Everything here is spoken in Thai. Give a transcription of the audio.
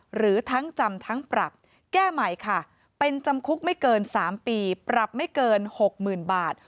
หรือทั้งจำทั้งปรับแก้ใหม่ค่ะเป็นจำคุกไม่เกิน๓ปีปรับไม่เกิน๖๐๐๐บาท